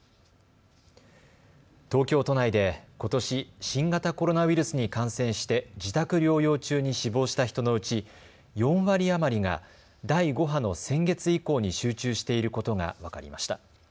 東京都内でことし新型コロナウイルスに感染して自宅療養中に死亡した人のうち４割余りが第５波の先月以降に集中していることが分かりました。